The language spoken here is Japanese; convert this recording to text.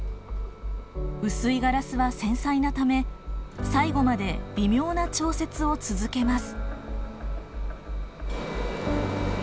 薄いガラスは繊細なため最後まで微妙な調節を続けます。